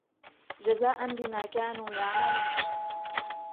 جَزَاء بِمَا كَانُوا يَعْمَلُونَ